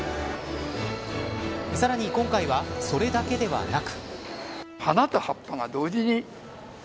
さらに今回はそれだけではなく。